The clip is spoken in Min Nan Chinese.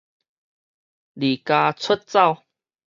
離家出走